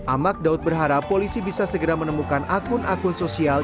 amak daud berharap polisi bisa segera menemukan akun akun sosial